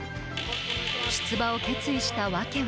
出馬を決意した訳は。